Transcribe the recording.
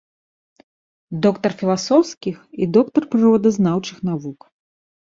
Доктар філасофскіх і доктар прыродазнаўчых навук.